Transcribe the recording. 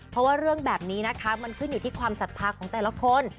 เพราะว่าเรื่องแบบนี้นะคะมันขึ้นอยู่ที่ความศรัทธาของแต่ละคน